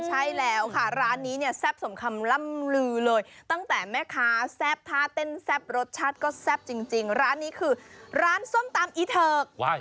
ใช่แล้วค่ะร้านนี้เนี่ยแซ่บสมคำล่ำลือเลยตั้งแต่แม่ค้าแซ่บท่าเต้นแซ่บรสชาติก็แซ่บจริงร้านนี้คือร้านส้มตำอีเทิก